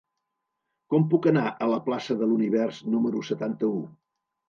Com puc anar a la plaça de l'Univers número setanta-u?